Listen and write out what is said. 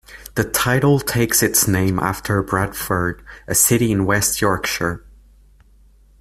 The title takes its name after Bradford, a city in West Yorkshire.